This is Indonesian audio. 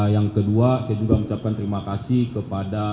yang kedua saya juga mengucapkan terima kasih kepada